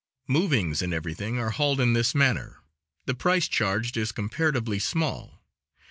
Movings and everything are hauled in this manner; the price charged is comparatively small.